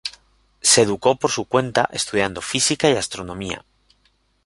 Se educó por su cuenta, estudiando física y astronomía.